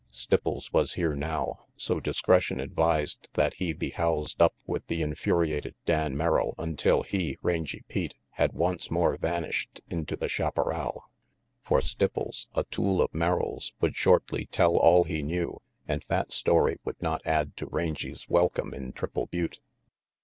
Stipples was here now, so discretion advised that he be housed up with the infuriated Dan Merrill until he, Rangy Pete, had once more vanished into the chaparral. For Stipples, a tool of Merrill's, would shortly tell all he knew, and that story would not add to Rangy 's welcome in Triple Butte.